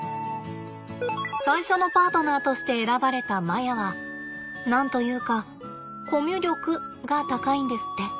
最初のパートナーとして選ばれたマヤは何と言うかコミュ力が高いんですって。